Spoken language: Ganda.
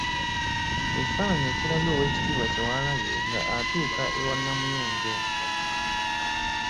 Ekifaananyi ekiraga Oweekitiibwa Kyewalabye nga atuuka ewa Namuyonjo.